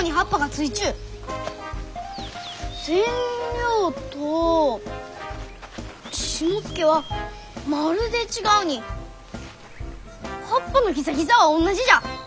センリョウとシモツケはまるで違うに葉っぱのギザギザはおんなじじゃ！